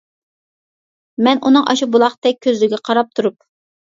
مەن ئۇنىڭ ئاشۇ بۇلاقتەك كۆزلىرىگە قاراپ تۇرۇپ.